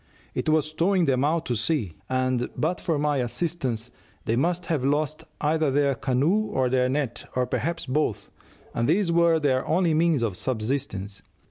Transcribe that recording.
It was towing them out to sea, and but for my assistance they must have lost either their canoe or their net, or perhaps both, and these were their only means of subsistence.